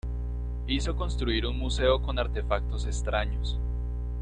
Hizo construir un museo con artefactos extraños.